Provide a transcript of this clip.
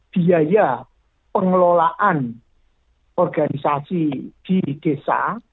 biaya pengelolaan organisasi di desa